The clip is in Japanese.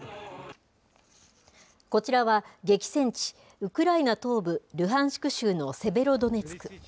こちらは激戦地、ウクライナ東部ルハンシク州のセベロドネツク。